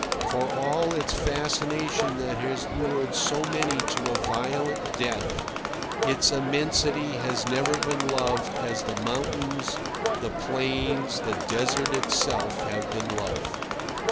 For all its fascination that has lured so many to a violent death, its immensity has never been loved as the mountains, the plains, the desert itself, have been loved.